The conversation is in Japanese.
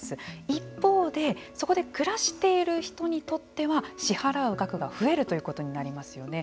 一方で、そこで暮らしている人にとっては支払う額が増えるということになりますよね。